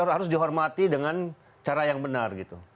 harus dihormati dengan cara yang benar gitu